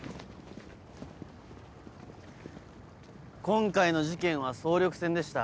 今回の事件は総力戦でした。